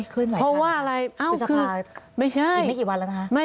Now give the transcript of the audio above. เคลื่อนไหวต่อไปครับอุตสาธารณ์อีกไม่กี่วันแล้วนะครับไม่ใช่